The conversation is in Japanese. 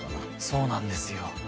そうなんですよ。